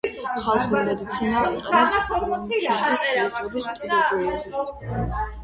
ხალხური მედიცინა იყენებს ბრონქიტის, ფილტვების ტუბერკულოზის.